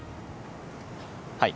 はい。